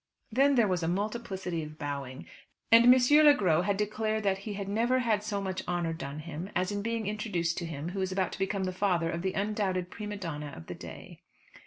Then there was a multiplicity of bowing, and M. Le Gros had declared that he had never had so much honour done him as in being introduced to him who was about to become the father of the undoubted prima donna of the day.